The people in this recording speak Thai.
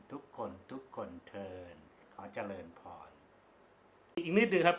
ทุกคนทุกคนเทินขอเจริญพรอีกอีกนิดหนึ่งครับ